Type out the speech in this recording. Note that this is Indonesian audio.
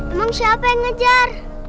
emang siapa yang ngejar